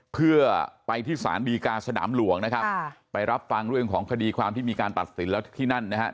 เพื่อไปที่สารดีกาสนามหลวงนะครับไปรับฟังเรื่องของคดีความที่มีการตัดสินแล้วที่นั่นนะครับ